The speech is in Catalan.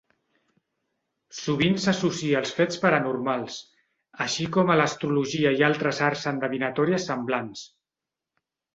Sovint s'associa als fets paranormals, així com a l'astrologia i altres arts endevinatòries semblants.